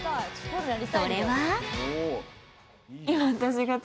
それは。